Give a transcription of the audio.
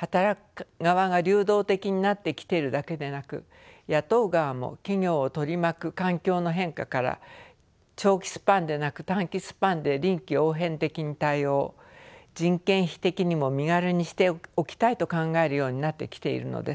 働く側が流動的になってきているだけでなく雇う側も企業を取り巻く環境の変化から長期スパンでなく短期スパンで臨機応変的に対応人件費的にも身軽にしておきたいと考えるようになってきているのです。